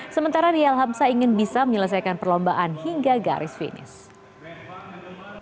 sementara riel hamsa ingin bisa menyelesaikan perlombaan hingga garis finish